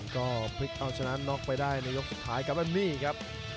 ก็พลิกเอาชนะน็อกไปได้ในยกสุดท้ายครับแล้วนี่ครับ